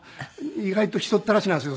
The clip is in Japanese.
意外と人たらしなんですよ。